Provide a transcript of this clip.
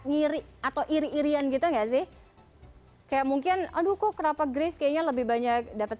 ngiri atau iri irian gitu enggak sih kayak mungkin aduh kok kenapa grace kayaknya lebih banyak dapat